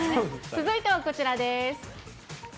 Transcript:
続いてはこちらです。